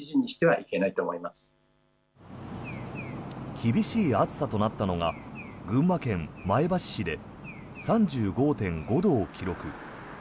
厳しい暑さとなったのが群馬県前橋市で３５．５度を記録。